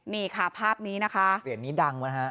นี่ค่ะภาพนี้นะคะเหรียญนี้ดังนะฮะ